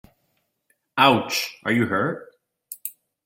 Ouch! Are you hurt?